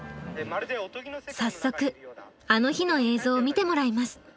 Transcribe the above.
早速「あの日」の映像を見てもらいます。